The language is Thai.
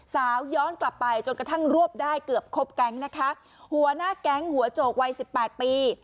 ย้อนกลับไปจนกระทั่งรวบได้เกือบครบแก๊งนะคะหัวหน้าแก๊งหัวโจกวัยสิบแปดปี